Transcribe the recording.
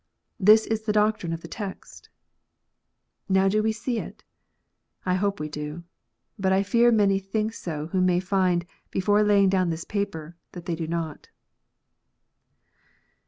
This is the doctrine of the text. JS T ow do we see it 1 I hope we do. But I fear many think so who may find, before laying down this paper, that they do not.